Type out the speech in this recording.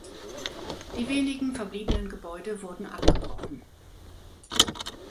Die wenigen verbliebenen Gebäude wurden abgebrochen.